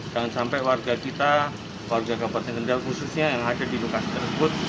jangan sampai warga kita warga kabupaten kendal khususnya yang ada di lokasi tersebut